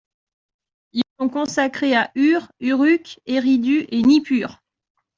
Ils sont consacrés à Ur, Uruk, Eridu et Nippur.